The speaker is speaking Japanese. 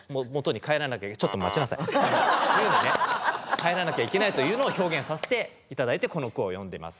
帰らなきゃいけないというのを表現させて頂いてこの句を詠んでます。